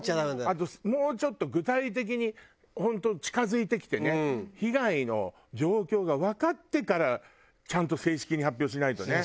あともうちょっと具体的に本当近付いてきてね被害の状況がわかってからちゃんと正式に発表しないとね。